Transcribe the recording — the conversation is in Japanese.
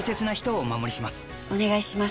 お願いします。